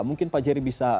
mungkin pak jerry bisa